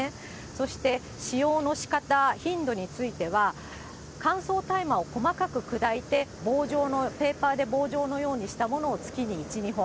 そして使用のしかた、頻度については、乾燥大麻を細かく砕いて、棒状の、ペーパーで棒状のようにしたものを月に１、２本。